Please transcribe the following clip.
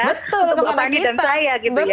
betul untuk bapak ani dan saya gitu ya